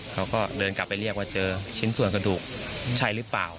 เขาก็เดินกลับไปเรียกว่าเจอชิ้นส่วนกระดูกใช่หรือเปล่า